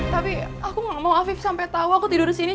tapi aku gak mau afif sampe tau aku tidur disini